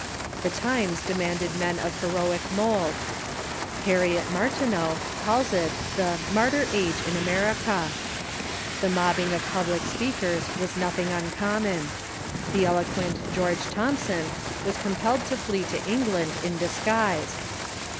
The times demanded men of he roic mould. Harriet Martineau calls it the "Martyr age in America." The mobbing of public speakers was nothing un 38 594 THE CHURCH IN THE UNITED STATES common. The eloquent George Thompson was compelled to liee to England in disguise.